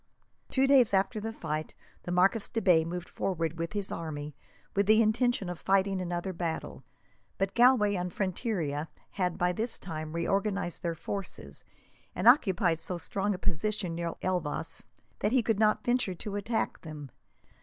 Two days after the fight, the Marquis de Bay moved forward with his army, with the intention of fighting another battle; but Galway and Frontiera had, by this time, reorganized their forces, and occupied so strong a position, near Elvas, that he could not venture to attack them.